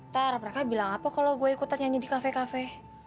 ntar mereka bilang apa kalau gue ikutan nyanyi di kafe kafe